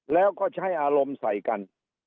แล้วก็ใช้อารมณ์ใส่กัน